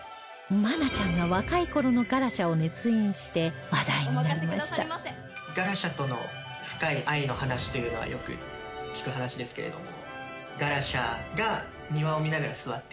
愛菜ちゃんが若い頃のガラシャを熱演して話題になりましたというのはよく聞く話ですけれども。